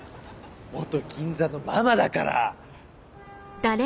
銀座のママだから！